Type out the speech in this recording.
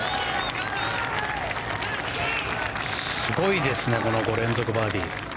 すごいですね５連続バーディー。